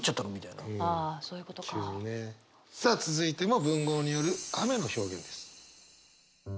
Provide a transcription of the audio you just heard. さあ続いても文豪による雨の表現です。